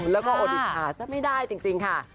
แล้วก็อดอิจฉาซะไม่ได้จริงค่ะ